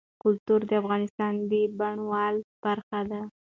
کلتور د افغانستان د بڼوالۍ برخه ده.